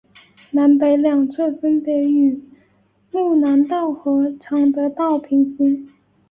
南北两侧分别与睦南道和常德道平行。